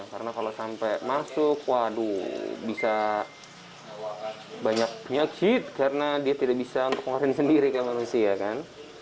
karena kalau sampai masuk waduh bisa banyak penyakit karena dia tidak bisa untuk mengeluarkan sendiri ke manusia kan